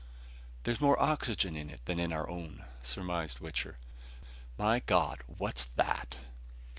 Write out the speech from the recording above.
"There's more oxygen in it than in our own," surmised Wichter. "My God! What's that!"